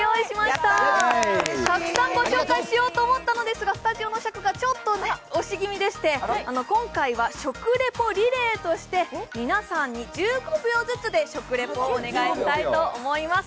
たくさんご紹介しようと思ったのですが、スタジオの尺がちょっと押し気味でして、今回は食レポリレーとして皆さんに１５秒ずつで食レポをお願いしたいと思います。